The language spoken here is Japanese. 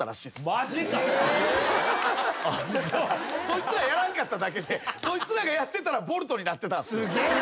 そいつらやらんかっただけでそいつらがやってたらボルトになってたんすよ。